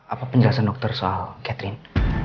apa penjelasan dokter soal catherine